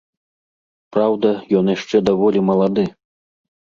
Праўда, ён яшчэ даволі малады.